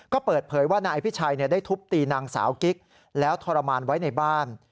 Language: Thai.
ก็เปิดเผยว่านายอภิชัยได้ทุบตีนางสาวกิ๊กแล้วทรมานไว้ในบ้าน